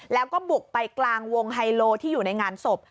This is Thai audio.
แล้วก็บุกไปกลางวงไฮโลที่อยู่ในงานศพ